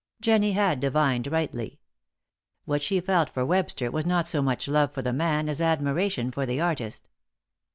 Jennie had divined rightly. What she felt for Webster was not so much love for the man as admiration for the artist.